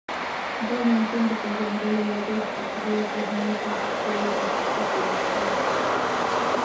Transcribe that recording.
دا ممکن د پېژندلو، ودې، فکري، ذهني، فزيکي او يا حسي بې نظمي وي.